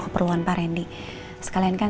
keperluan pak randy sekalian kan